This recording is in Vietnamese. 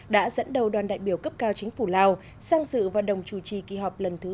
đã dẫn đầu đoàn đại biểu cấp cao chính phủ lào sang sự và đồng chủ trì kỳ họp lần thứ bốn mươi một